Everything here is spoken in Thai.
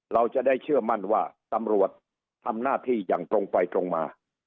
เราจะได้เชื่อมั่นว่าตำรวจทำหน้าที่อย่างตรงไปตรงมา